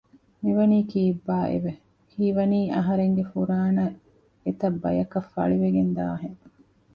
މިވަނީ ކީއްބާއެވެ؟ ހީވަނީ އަހަރެންގެ ފުރާނަ އެތައް ބަޔަކަށް ފަޅިވެގެންދާ ހެން